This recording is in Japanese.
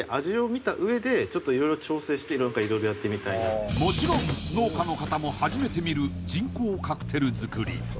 ３０度の世界へもちろん農家の方も初めて見る沈香カクテル作り